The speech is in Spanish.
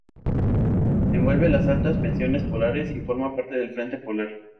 Envuelve las altas presiones polares y forma parte del frente polar.